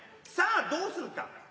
さあどうするか。